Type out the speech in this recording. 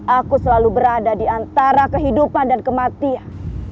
aku selalu berada di antara kehidupan dan kematian